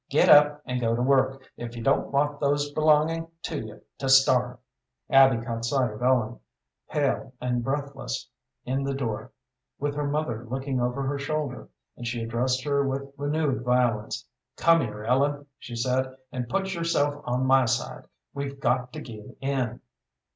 Get up and go to work, if you don't want those belonging to you to starve." Abby caught sight of Ellen, pale and breathless, in the door, with her mother looking over her shoulder, and she addressed her with renewed violence. "Come here, Ellen," she said, "and put yourself on my side. We've got to give in."